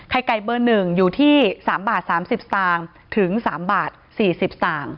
ไข่ไก่เบอร์๑อยู่ที่๓บาท๓๐บาทถึง๓บาท๔๐บาท